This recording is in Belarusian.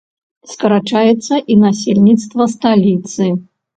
Скарачаецца і насельніцтва сталіцы.